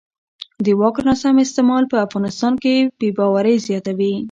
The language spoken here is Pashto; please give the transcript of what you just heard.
د واک ناسم استعمال په افغانستان کې بې باورۍ زیاتوي